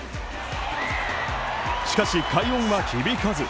しかし快音は響かず。